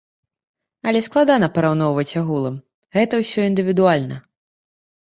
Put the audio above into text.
Але складана параўноўваць агулам, гэта ўсё індывідуальна.